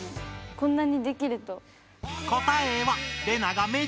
こんなにできると。